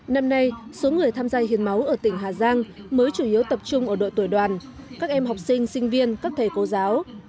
năm nay số người tham gia hiến máu ở tỉnh hà giang mới chủ yếu tập trung ở đội tuổi đoàn các em học sinh sinh viên các thầy cô giáo